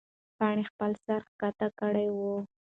پاڼې خپل سر ښکته کړی و.